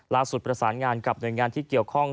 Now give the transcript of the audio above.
ประสานงานกับหน่วยงานที่เกี่ยวข้อง